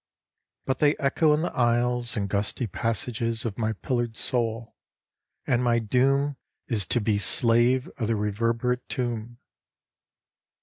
But they echo in the aisles And gusty passages of my pillared soul, And my doom Is to be slave of their reverberate tomb.